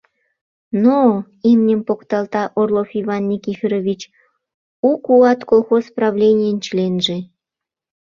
— Но-о! — имньым покталта Орлов Иван Никифорович, «У куат» колхоз правленийын членже.